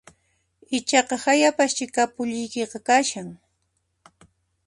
Ichaqa hayapaschá kapuliykiqa kashan